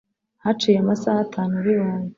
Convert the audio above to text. Haciye amasaha atanu bibaye